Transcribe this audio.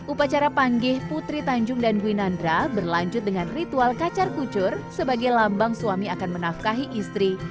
upacara panggih putri tanjung dan gwinandra berlanjut dengan ritual kacar kucur sebagai lambang suami akan menafkahi istri